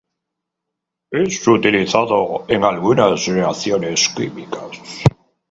Es utilizado en algunas reacciones químicas.